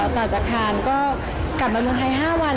ต่อจากคานก็กลับมาเมืองไทย๕วัน